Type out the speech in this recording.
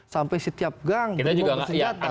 sampai setiap gang berhubung bersenjata